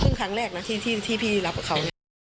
ซึ่งครั้งแรกนะที่พี่รับกับเขา